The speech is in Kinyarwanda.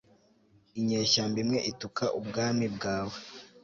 Inyeshyamba imwe ituka ubwami bwawe